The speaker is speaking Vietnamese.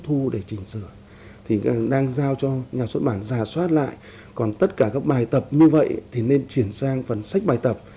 thứ hai là cũng giao cho nhà xuất bản xà xoát lại toàn bộ cái vần sách để xem nếu phần nào có thể chuyển sang phần bài tập